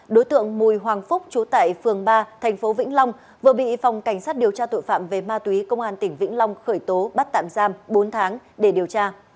đối tượng mùi hoàng phúc trú tại phường ba thành phố vĩnh long vừa bị phòng cảnh sát điều tra tội phạm về ma túy công an tỉnh vĩnh long khởi tố bắt tạm giam bốn tháng để điều tra